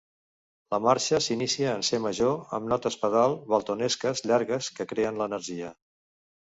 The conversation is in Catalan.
La marxa s'inicia en C major amb notes pedal waltonesques llargues, que creen l'energia.